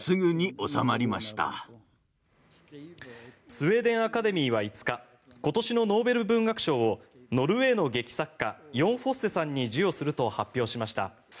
スウェーデン・アカデミーは５日今年のノーベル文学賞をノルウェーの劇作家ヨン・フォッセさんに授与すると発表しました。